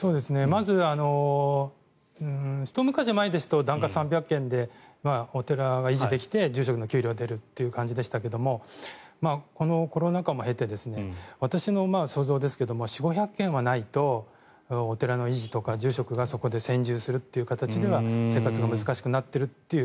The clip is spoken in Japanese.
まずひと昔前ですと檀家３００軒でお寺は維持できて住職の給料が出るという感じでしたがこのコロナ禍も経て私の想像ですが４００５００軒はないとお寺の維持とか住職がそこで専従するという形では生活が難しくなっているという。